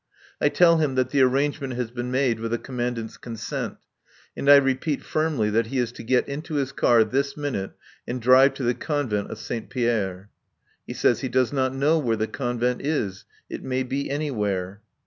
I tell him that the arrangement has been made with the Commandant's consent, and I repeat firmly that he is to get into his car this minute and drive to the Couvent de Saint Pierre. He says he does not know where the Convent is. It may be anywhere.